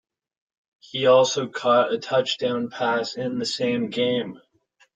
He also caught a touchdown pass in the same game.